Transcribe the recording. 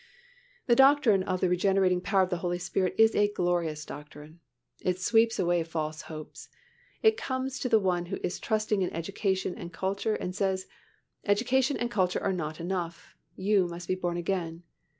The doctrine of the regenerating power of the Holy Spirit is a glorious doctrine. It sweeps away false hopes. It comes to the one who is trusting in education and culture and says, "Education and culture are not enough. You must be born again."